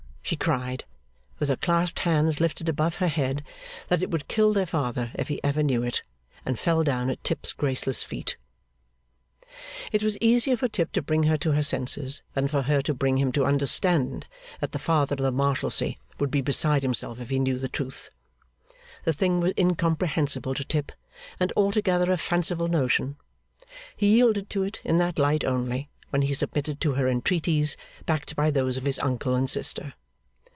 She cried, with her clasped hands lifted above her head, that it would kill their father if he ever knew it; and fell down at Tip's graceless feet. It was easier for Tip to bring her to her senses than for her to bring him to understand that the Father of the Marshalsea would be beside himself if he knew the truth. The thing was incomprehensible to Tip, and altogether a fanciful notion. He yielded to it in that light only, when he submitted to her entreaties, backed by those of his uncle and sister.